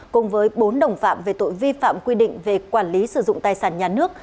cùng với bốn đồng phạm về tội vi phạm quy định về quản lý sử dụng tài sản nhà nước